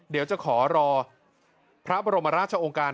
เดี๋ยวจะขอรอพระบรมราชองค์การ